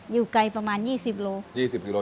อยู่ไกลประมาน๒๐กิโล